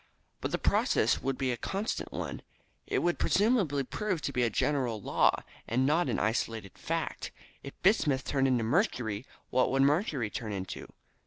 "But the process would be a constant one. It would presumably prove to be a general law, and not an isolated fact. If bismuth turned into mercury, what would mercury turn into?